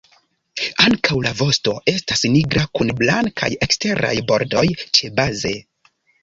Ankaŭ la vosto estas nigra kun blankaj eksteraj bordoj ĉebaze.